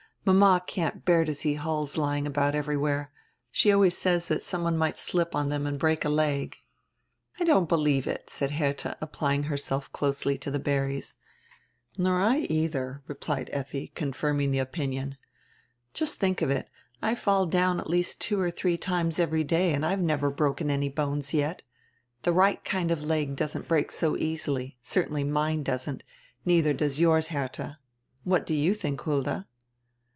Mama can't bear to see hulls lying about everywhere. She always says that some one might slip on diem and break a leg." "I don't believe it," said Herdia, applying herself closely to die berries. "Nor I eidier," replied Efti, confirming die opinion. "Just diink of it, I fall at least two or diree times every day and have never broken any bones yet. The right kind of leg doesn't break so easily; certainly mine doesn't, neidier does yours, Herdia. What do you diink, Hulda?"